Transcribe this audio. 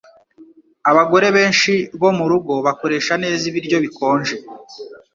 Abagore benshi bo murugo bakoresha neza ibiryo bikonje.